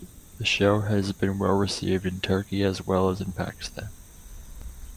The show has been well received in Turkey as well as in Pakistan.